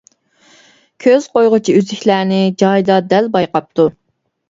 كۆز قويغۇچى ئۈزۈكلەرنى جايىدا، دەل بايقاپتۇ.